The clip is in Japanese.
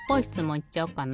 いっちゃおうかな。